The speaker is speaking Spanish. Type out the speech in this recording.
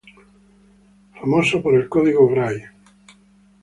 Famoso por el Código Gray.